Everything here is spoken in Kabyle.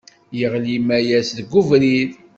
Yeɣli Mayas deg ubrid.